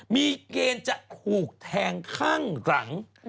มีเกณฑ์จะถูกแทงข้างหลัง